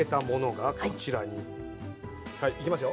はいいきますよ。